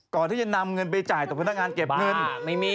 ก่อนที่จะนำเงินไปจ่ายต่อพนักงานเก็บเงิน